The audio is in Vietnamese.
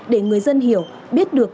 để người dân hiểu biết được